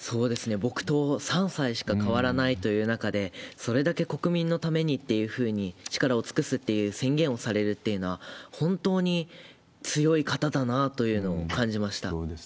僕と３歳しか変わらないという中で、それだけ国民のためにっていうふうに、力を尽くすっていう宣言をされるっていうのは、本当に強い方だなというのを感じました。